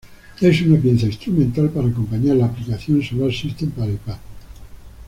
Es una pieza instrumental para acompañar la aplicación Solar System para iPad.